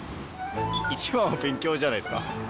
一番は勉強じゃないですか。